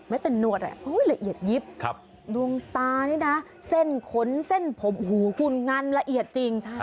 ไม่แต่นวดแหละเฮ้ยละเอียดยิบครับดวงตานี่น่ะเส้นขนเส้นผมหูคูณงานละเอียดจริงค่ะ